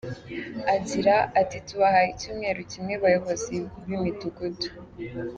Agira ati “Tubahaye icyumweru kimwe bayobozi b’imidugudu.